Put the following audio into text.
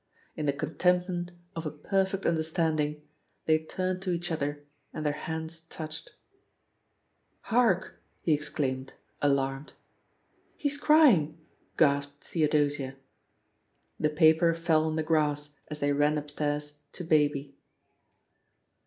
... In the contentment of a perfect 296 THE POSITION OF FE60Y HABPER understanding fhey turned to eadi other and their hands touched. !arkl'' he exclaimed, alarmed. 'He's crying I" gasped Theodosia. The paper fell on the grass as thejr ran up stairs to Baby.